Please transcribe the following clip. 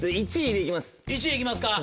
１位行きますか？